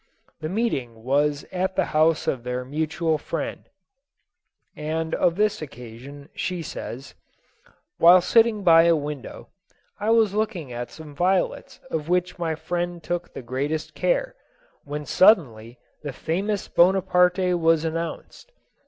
The meet ing was at the house of their mutual friend ; and of this occasion she says, " While sitting by a window, I was looking at some violets of which my friend took the greatest care, when suddenly the famous Bonaparte was announced.